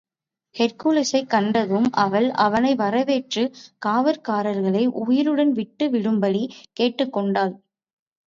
ஹெர்க்குலிஸைக் கண்டதும் அவள் அவனை வரவேற்று காவற்காரனை உயிருடன் விட்டு விடும்படி கேட்டுக் கொண்டாள்.